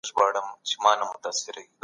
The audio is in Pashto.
ټولنيز علوم د انسانانو د سلوک مطالعه کوي.